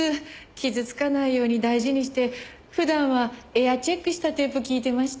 傷つかないように大事にして普段はエアチェックしたテープ聞いてました。